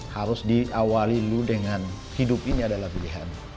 harus diawali lu dengan hidup ini adalah pilihan